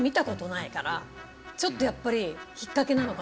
ちょっとやっぱり。